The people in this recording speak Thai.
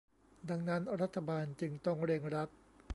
ดังนั้นรัฐบาลจึงต้องเร่งรัด